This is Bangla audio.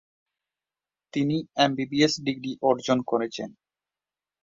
তিনি এমবিবিএস ডিগ্রি অর্জন করেছেন।